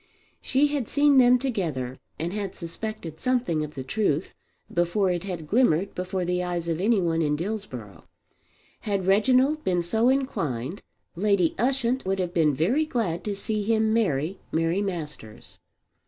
She had seen them together and had suspected something of the truth before it had glimmered before the eyes of any one in Dillsborough. Had Reginald been so inclined Lady Ushant would have been very glad to see him marry Mary Masters.